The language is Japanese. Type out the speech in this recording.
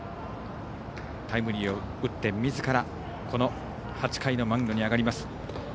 タイムリーを打って、みずから８回のマウンドに上がります。